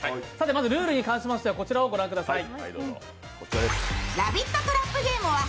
まずルールに関しましてはこちらをご覧ください。